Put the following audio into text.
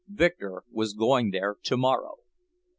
Victor was going there tomorrow.